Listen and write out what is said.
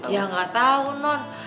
ya gak tau non